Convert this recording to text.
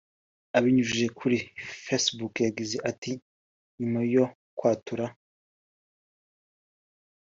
Abinyujije kuri Facebook yagize ati “Nyuma yo kwatura